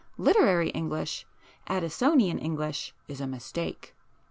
Literary English,—Addisonian English,—is a mistake."